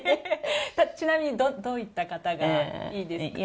ちなみにどういった方がいいですか？